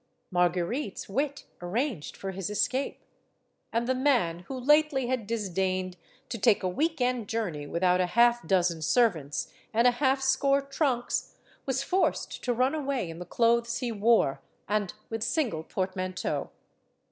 Marguerite's wit arranged for his escape. And the man who lately had disdained to take a week end journey without a half dozen servants and a half score trunks was forced to run away in the clothes he wore, and with single portmanteau.